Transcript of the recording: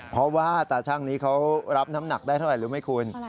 เพราะว่าตาชั่งนี้เขารับน้ำหนักได้เท่าไหร่รู้ไหมคุณ